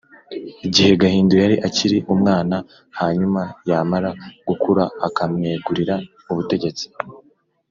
gihe gahindiro yari akiri umwana, hanyuma yamara gukura akamwegurira ubutegetsi